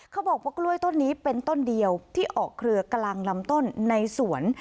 เขาบอกว่ากล้วยต้นนี้เป็นต้นเดียวที่ออกเครือกลางลำต้นในสวน